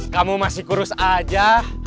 kamu masih kurus aja